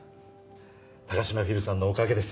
高階フィルさんのおかげです。